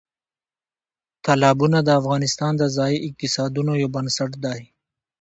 تالابونه د افغانستان د ځایي اقتصادونو یو بنسټ دی.